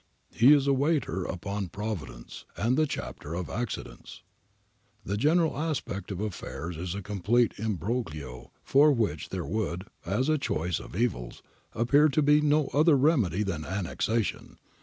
He is a waiter upon Providence and the chapter of accidents.' ...' The general aspect of affairs is a complete imbroglio for which there would, as a choice of evils, appear to be no other remedy than annexation.